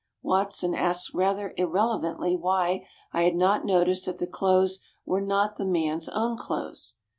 Watson asked rather irrelevantly why I had not noticed that the clothes were not the man's own clothes.